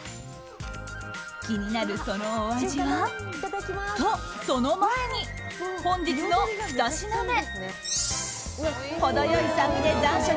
気になる、そのお味は？と、その前に本日のふた品目。